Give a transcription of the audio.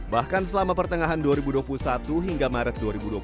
bahkan selama pertengahan dua ribu dua puluh satu hingga maret dua ribu dua puluh